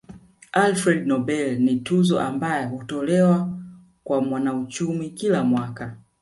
Alfred Nobel ni tuzo ambayo hutolewa kwa mwanauchumi kila mwaka